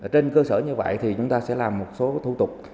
trên cơ sở như vậy thì chúng ta sẽ làm một số thủ tục